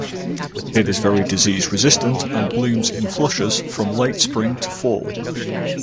It is very disease resistant and blooms in flushes from late spring to fall.